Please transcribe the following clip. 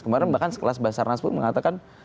kemarin bahkan sekelas basarnas pun mengatakan